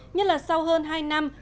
nhất là sau hơn hai năm